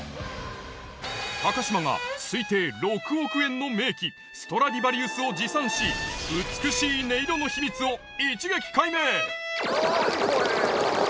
高嶋が推定６億円の名器ストラディバリウスを持参し美しい音色の秘密を一撃解明！